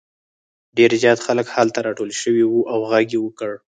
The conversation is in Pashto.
ډېر زیات خلک هلته راټول شوي وو او غږ یې وکړ.